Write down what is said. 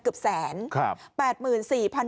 กับแสนครับ